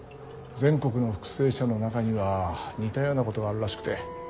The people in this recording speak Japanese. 全国の復生者の中には似たようなことがあるらしくて。